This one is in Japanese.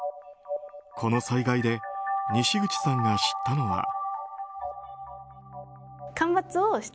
この災害で西口さんが知ったのは。